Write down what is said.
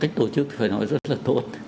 cách tổ chức phải nói rất là tốt